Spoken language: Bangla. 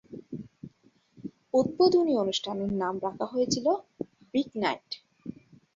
উদ্বোধনী অনুষ্ঠানের নাম রাখা হয়েছিল বিগ নাইট।